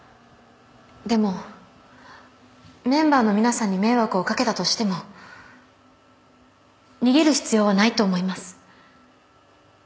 でもメンバーの皆さんに迷惑を掛けたとしても逃げる必要はないと思います